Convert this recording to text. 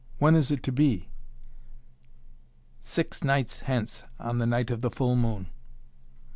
"When is it to be?" "Six nights hence on the night of the full moon."